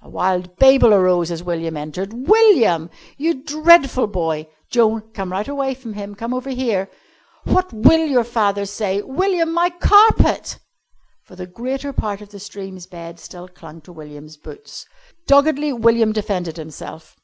A wild babel arose as William entered. "William!" "You dreadful boy!" "Joan, come right away from him. Come over here." "What will your father say?" "William, my carpet!" For the greater part of the stream's bed still clung to William's boots. Doggedly William defended himself.